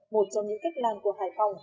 một trong những cách làm của hải phòng